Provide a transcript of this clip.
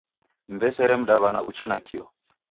Mw'esere mdaw'ana uche nakio.